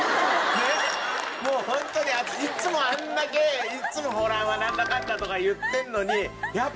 ねっもうホントにいつもあんだけいつもホランはなんだかんだとか言ってるのにやっぱ。